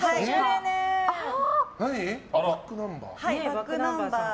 ｂａｃｋｎｕｍｂｅｒ。